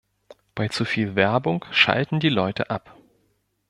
Bei zu viel Werbung schalten die Leute ab.